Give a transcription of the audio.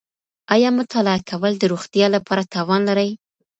ایا مطالعه کول د روغتیا لپاره تاوان لري؟